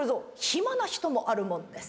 暇な人もあるもんです。